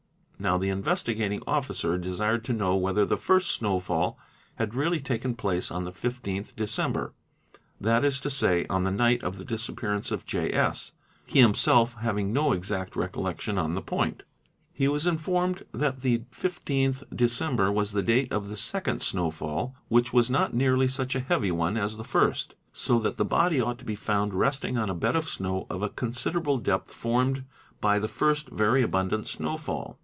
Now the Investigating Officer desired to know whether the first snowfall had really taken place on the 15th December, that is to say, on the night of ' the disappearance of J. S., he himself having no exact recollection on the ~ point. He was informed that the 15th December was the date of the ~ second snowfall which was not neatly such a heavy one as the first, so that the body ought to be found resting on a bed of snow of a consider _ able depth formed by the first very abundant snowfall.